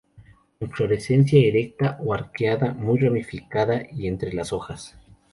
Inflorescencia erecta o arqueada, muy ramificada y entre las hojas.